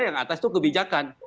yang atas itu kebijakan